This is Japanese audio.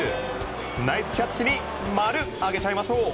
ナイスキャッチに〇あげちゃいましょう！